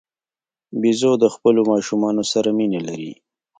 بیزو د خپلو ماشومانو سره مینه لري.